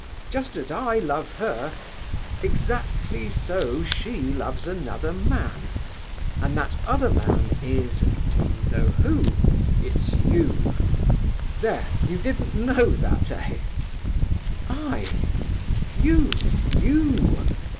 Just as I love her, exactly so she loves another man. And that other man is—do you know who? It's you. There—you didn't know that, eh?" "I?" "You, you!